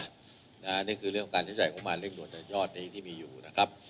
อันนี้ก็คือการใช้จ่ายของมาเร่งดวิ่งจัดยอดนี้ที่มีอยู่นะครับ